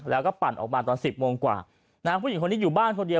แล้วก็ปั่นออกมาตอนสิบโมงกว่านะฮะผู้หญิงคนนี้อยู่บ้านคนเดียว